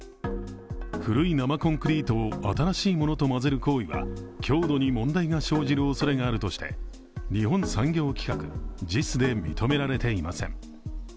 古い生コンクリートを新しいものと混ぜる行為は強度に問題が生じるおそれがあるとして、日本産業規格ＪＩＳで認められていません。